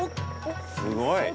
すごい！